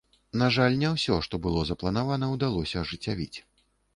На жаль, не ўсё, што было запланавана, удалося ажыццявіць.